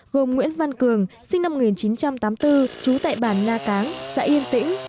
gồm nguyễn văn cường sinh năm một nghìn chín trăm tám mươi bốn trú tại bản na cáng xã yên tĩnh